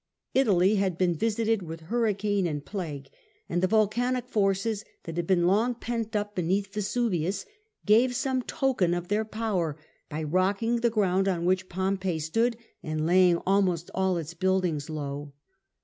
Italy had been visited with hurricane and other and plague ; and the volcanic forces that had been long pent up beneath Vesuvius gave some token of their power by rocking the ground on which Pompeii stood and laying almost all its buildings low.